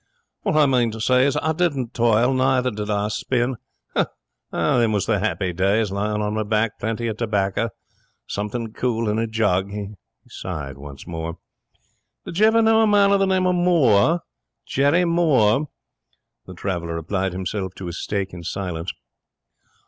'What I mean to say is, I didn't toil, neither did I spin. Ah, them was happy days! Lying on me back, plenty of tobacco, something cool in a jug ' He sighed once more. 'Did you ever know a man of the name of Moore? Jerry Moore?' The traveller applied himself to his steak in silence.